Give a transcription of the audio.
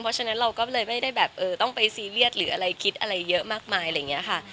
เพราะฉะนั้นเราก็เลยไม่ได้แบบเออต้องไปซีเรียสหรืออะไรคิดอะไรเยอะมากมายอะไรอย่างนี้ค่ะ